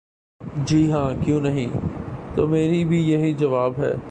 ''جی ہاں، کیوں نہیں‘‘ ''تو میرا بھی یہی جواب ہے۔